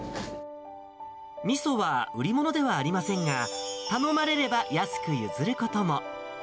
みそは売り物ではありませんが、頼まれれば安く譲ることも。